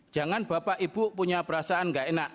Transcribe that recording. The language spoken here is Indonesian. jangan bapak ibu punya perasaan gak enak